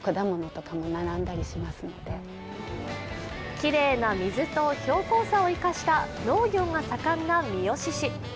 きれいな水と標高差を生かした農業が盛んな三次市。